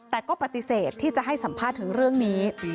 แต่ก็ปฏิเสธที่จะให้สัมภาษณ์ถึงเรื่องนี้